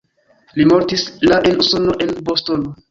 Li mortis la en Usono en Bostono.